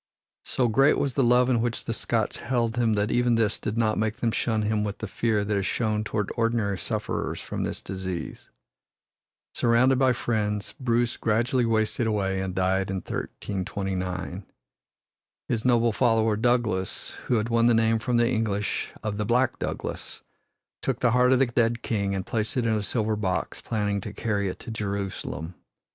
So great was the love in which the Scots held him that even this did not make them shun him with the fear that is shown toward ordinary sufferers from this disease. Surrounded by friends, Bruce gradually wasted away and died in 1329. His noble follower, Douglas, who had won the name from the English of "the black Douglas," took the heart of the dead king and placed it in a silver box, planning to carry it to Jerusalem.